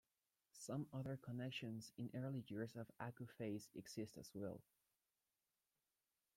Some other connections in the early years of Accuphase exist as well.